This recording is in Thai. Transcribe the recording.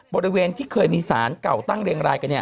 บริเวณที่เคยมีสารเก่าตั้งเรียงรายกัน